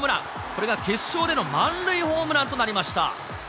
これが決勝での満塁ホームランとなりました。